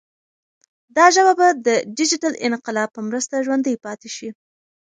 دا ژبه به د ډیجیټل انقلاب په مرسته ژوندۍ پاتې شي.